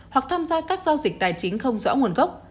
hoặc tham gia các giao dịch tài chính không rõ nguồn gốc